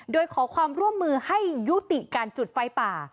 โดยขอความร่วมมือให้ยุติการจุดไฟป่า